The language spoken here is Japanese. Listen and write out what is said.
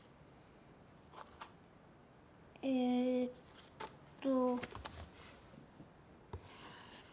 えっと。